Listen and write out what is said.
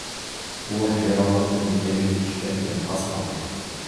ئۇ ھەيرانلىقتىن كەينىگە ئۇچۇپ كەتكىلى تاس قالدى.